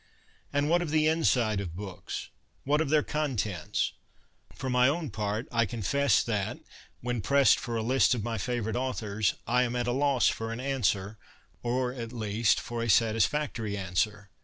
And what of the ' inside ' of books ? What of their contents ? For my own part, I confess that, when pressed for a list of my favourite authors, I am at a loss for an answer, or, at least, for a satisfactory answer.